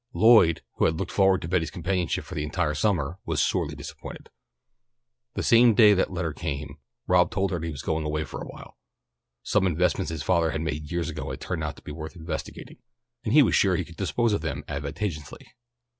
Lloyd, who had looked forward to Betty's companionship for the entire summer, was sorely disappointed. The same day that that letter came, Rob told her that he was going away for awhile. Some investments his father had made years ago had turned out to be worth investigating, and he was sure he could dispose of them advantageously.